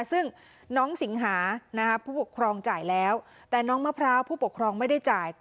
ซึ่งน้องสิงหาผู้ปกครองจ่ายแล้วแต่น้องมะพร้าวผู้ปกครองไม่ได้จ่าย